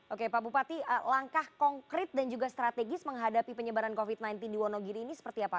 oke pak bupati langkah konkret dan juga strategis menghadapi penyebaran covid sembilan belas di wonogiri ini seperti apa